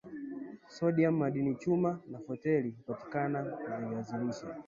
sodiamu madini chuma na foleti hupatikana kwenye viazi lishe